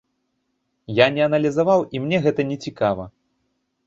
Я не аналізаваў, і мне гэта нецікава.